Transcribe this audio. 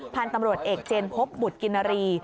พันธุ์ตำรวจเอกเจนพบบุตรกินรี